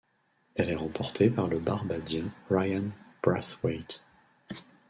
Elle est remportée par le Barbadien Ryan Brathwaite.